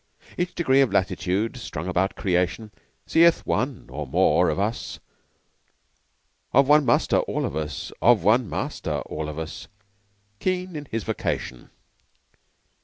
Each degree of Latitude Strung about Creation Seeth one (or more) of us, (Of one muster all of us Of one master all of us ) Keen in his vocation.